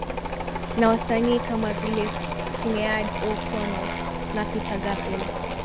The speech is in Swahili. Na wasanii kama vile Sinead O Connor na Peter Gabriel